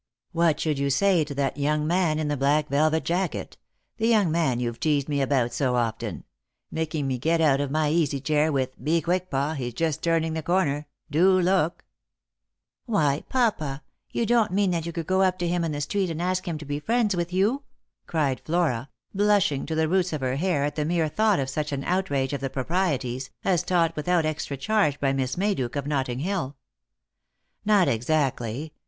What should you say to that young man in the black velvet jacket — the young man you've teased me about so often — making me get out of my easy chair with ' Be quick, pa, he's just turning the corner ; do look '?"" Why, papa, you don't mean that you could go up to him in the street and ask him to be friends with you ?" cried Flora, blushing to the roots of her hair at the mere thought of such an outrage of the proprieties, as taught without extra charge by Miss Mayduke, of Notting hill. " Not exactly.